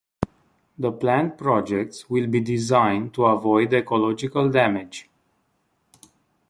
The planned projects will be designed to avoid ecological damage.